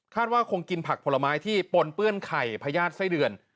ว่าคงกินผักผลไม้ที่ปนเปื้อนไข่พญาติไส้เดือน